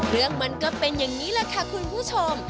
เรื่องมันก็เป็นอย่างนี้แหละค่ะคุณผู้ชม